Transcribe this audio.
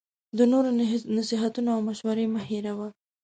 د نورو نصیحتونه او مشوری مه هیروه